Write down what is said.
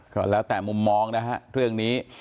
ก็แล้วแต่มุมมองนะฮะเรื่องนี้